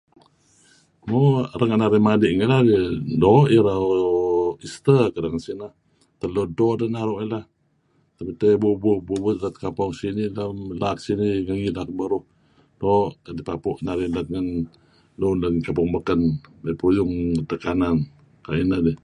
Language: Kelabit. Mo renga' narih madi' ngilad doo' irau Easter kedeh ngen sineh, teluh edto deh naru' dih lah. temidteh dih bubuh-bubuh mey ngi kampung sinih laak sinih, laak beruh, Doo ' teh papu' narih ngen lun kampung beken mey peruyung edtah kanan kayu' ineh.